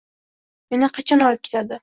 Meni qachon olib ketadi